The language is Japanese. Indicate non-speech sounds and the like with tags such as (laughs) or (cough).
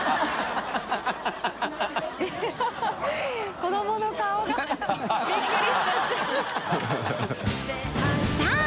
子どもの顔がびっくりしちゃって (laughs)